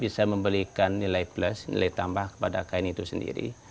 bisa memberikan nilai plus nilai tambah kepada kain itu sendiri